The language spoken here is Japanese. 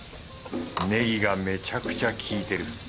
ネギがめちゃくちゃ効いてる。